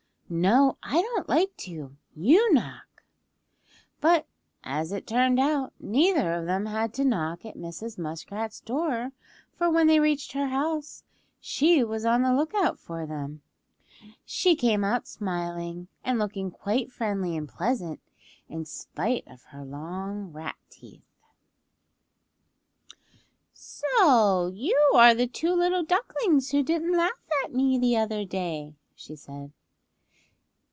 "No, I don't like to; you knock." But as it turned out neither of them had to knock at Mrs. Muskrat's door, for when they reached her house she was on the lookout for them. She came out smiling, and looking quite friendly and pleasant in spite of her long rat teeth. [Illustration: The ducklings stood looking on in dismay] "So you are the two little ducklings who didn't laugh at me the other day," she said.